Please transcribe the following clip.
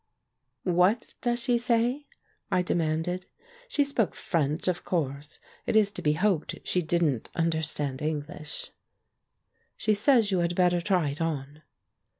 ''What does she say?" I demanded. She spoke French, of course. It is to be hoped she didn't understand English. "She says you had better try it on."